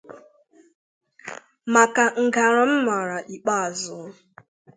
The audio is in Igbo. maka 'ngara m mara' ikpè azụ.